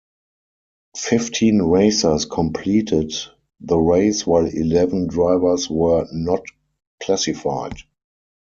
Fifteen racers completed the race while eleven drivers were not classified.